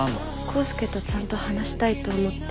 康祐とちゃんと話したいと思って危ない！